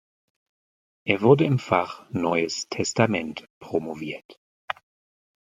Er wurde im Fach Neues Testament promoviert.